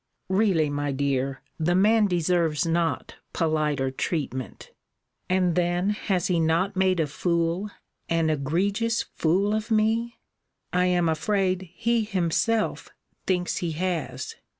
Really, my dear, the man deserves not politer treatment. And then has he not made a fool, an egregious fool of me? I am afraid he himself thinks he has.